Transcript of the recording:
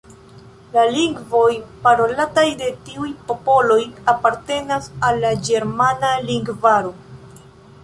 La lingvoj parolataj de tiuj popoloj apartenas al la ĝermana lingvaro.